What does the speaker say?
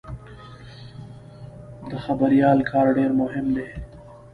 د خبریال کار ډېر مهم دی.